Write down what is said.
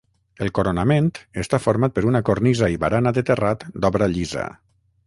El coronament està format per una cornisa i barana de terrat d'obra llisa.